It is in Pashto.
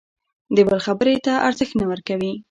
د بل خبرې ته ارزښت نه ورکوي.